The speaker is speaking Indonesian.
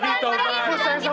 kita semua sayang taufan